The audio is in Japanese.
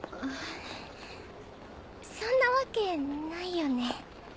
そんなわけないよね？